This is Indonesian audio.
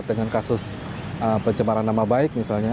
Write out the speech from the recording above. dengan kasus pencemaran nama baik misalnya